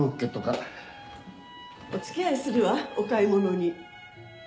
お付き合いするわお買い物に。